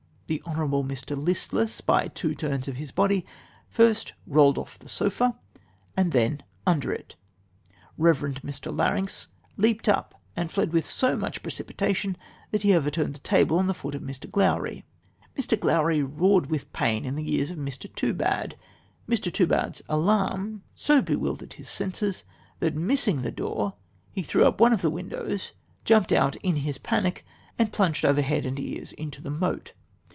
The honourable Mr. Listless, by two turns of his body, first rolled off the sofa and then under it. Rev. Mr. Larynx leaped up and fled with so much precipitation that he overturned the table on the foot of Mr. Glowry. Mr. Glowry roared with pain in the ears of Mr. Toobad. Mr. Toobad's alarm so bewildered his senses that missing the door he threw up one of the windows, jumped out in his panic, and plunged over head and ears in the moat.